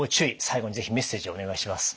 最後に是非メッセージをお願いします。